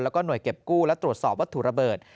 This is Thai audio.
แล้วก็หน่วยเก็บกู้และตรวจสอบวัตถุระเบิด